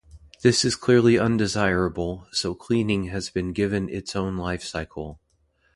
This is clearly undesirable, so cleaning has been given its own lifecycle.